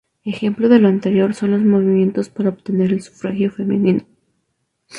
Ejemplo de lo anterior son los movimientos para obtener el sufragio femenino.